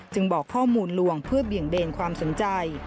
บอกข้อมูลลวงเพื่อเบี่ยงเบนความสนใจ